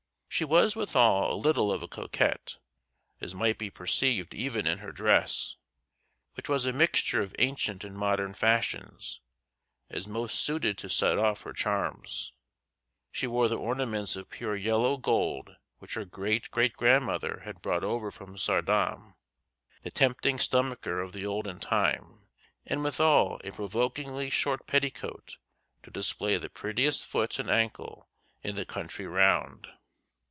She was withal a little of a coquette, as might be perceived even in her dress, which was a mixture of ancient and modern fashions, as most suited to set off her charms. She wore the ornaments of pure yellow gold which her great great grandmother had brought over from Saardam, the tempting stomacher of the olden time, and withal a provokingly short petticoat to display the prettiest foot and ankle in the country round.